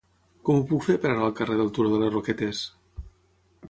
Com ho puc fer per anar al carrer del Turó de les Roquetes?